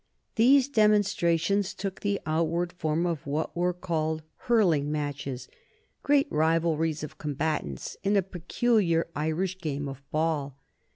These demonstrations took the outward form of what were called hurling matches, great rivalries of combatants, in a peculiar Irish game of ball.